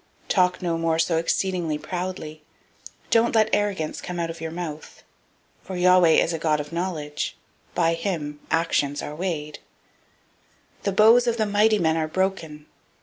002:003 Talk no more so exceeding proudly. Don't let arrogance come out of your mouth, For Yahweh is a God of knowledge. By him actions are weighed. 002:004 The bows of the mighty men are broken.